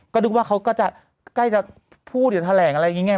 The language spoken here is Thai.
ก็ดึงว่าเขาก็จะใกล้จะพูดกับแถลงอะไรยิ่งแห้ง